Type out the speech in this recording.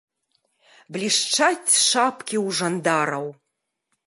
Блішчаць шапкі ў жандараў.